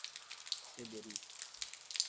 Seberi